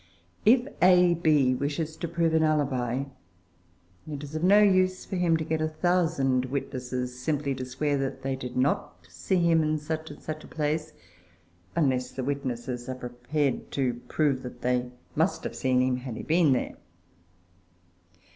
If A.B. wishes to prove an alibi, it is of no use for him to get a thousand witnesses simply to swear that they did not see him in such and such a place, unless the witnesses are prepared to prove that they must have seen him had he been there.